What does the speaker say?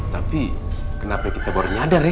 tapi kenapa kita baru nyadar ya